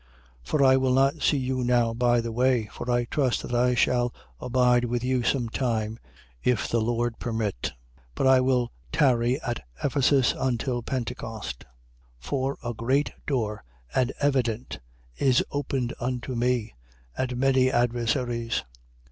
16:7. For I will not see you now by the way: for I trust that I shall abide with you some time, if the Lord permit. 16:8. But I will tarry at Ephesus, until Pentecost. 16:9. For a great door and evident is opened unto me: and many adversaries.